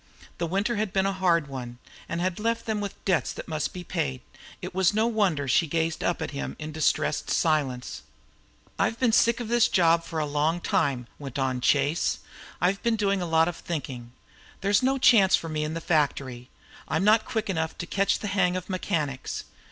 The winter had been a hard one, and had left them with debts that must be paid. It was no wonder she gazed up at him in distressed silence. "I've been sick of this job for a long time," went on Chase. "I've been doing a lot of thinking. There's no chance for me in the factory. I'm not quick enough to catch the hang of mechanics.